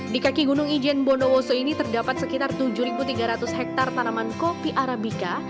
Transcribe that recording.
di kaki gunung ijen bondowoso ini terdapat sekitar tujuh tiga ratus hektare tanaman kopi arabica